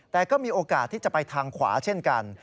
แต่ก็มีโอกาสที่จะไปทางขวาเช่นกัน